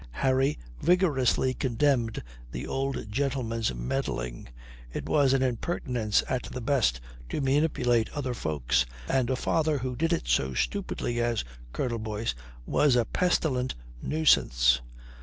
Harry vigorously condemned the old gentleman's meddling. It was an impertinence at the best to manipulate other folks, and a father who did it so stupidly as Colonel Boyce was a pestilent nuisance.